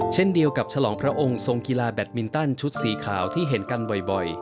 เช่นเดียวกับฉลองพระองค์ทรงกีฬาแบตมินตันชุดสีขาวที่เห็นกันบ่อย